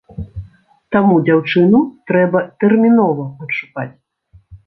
Таму дзяўчыну трэба тэрмінова адшукаць!